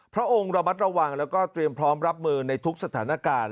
พระองค์ระมัดระวังแล้วก็เตรียมพร้อมรับมือในทุกสถานการณ์